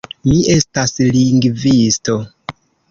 Mi estas lingvisto.